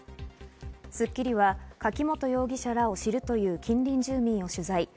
『スッキリ』は柿本容疑者らを知るという近隣住民を取材。